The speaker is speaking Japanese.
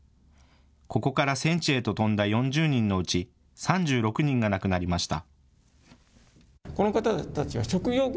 ここから戦地へと飛んだ４０人のうち３６人が亡くなりました。